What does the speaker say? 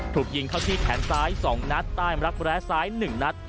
ถูกยิงเข้าที่แขนซ้าย๒นัดใต้รักแร้ซ้าย๑นัด